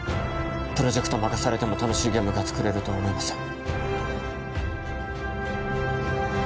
プロジェクトを任されても楽しいゲームが作れるとは思いません